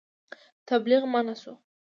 تبلیغ منع شو.